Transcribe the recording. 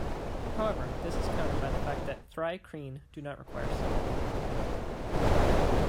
However, this is countered by the fact that thri-kreen do not require sleep.